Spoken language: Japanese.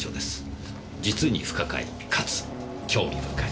実に不可解かつ興味深い。